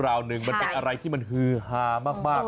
มันเป็นอะไรที่มันฮือหามาก